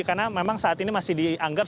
karena memang saat ini masih dianggap